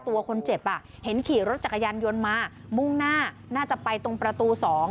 ตัวคนเจ็บเห็นขี่รถจักรยานยนต์มามุ่งหน้าน่าจะไปตรงประตู๒